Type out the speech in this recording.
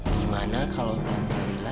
gimana kalau tante lila